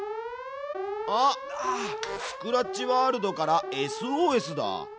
あっスクラッチワールドからＳＯＳだ！